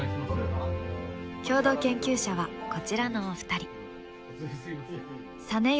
共同研究者はこちらのお二人。